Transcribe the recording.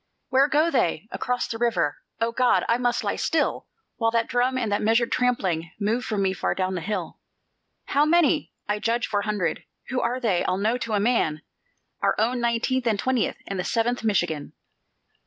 "Where go they?" "Across the river." "O God! and must I lie still, While that drum and that measured trampling Move from me far down the hill? "How many?" "I judge, four hundred." "Who are they? I'll know to a man." "Our own Nineteenth and Twentieth, And the Seventh Michigan."